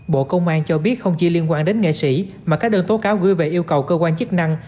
bộ công an cho biết không chỉ liên quan đến nghệ sĩ mà các đơn tố cáo gửi về yêu cầu cơ quan chức năng